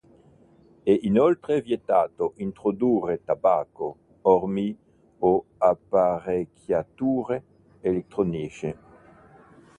È inoltre vietato introdurre tabacco, armi o apparecchiature elettroniche.